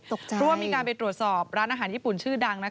เพราะว่ามีการไปตรวจสอบร้านอาหารญี่ปุ่นชื่อดัง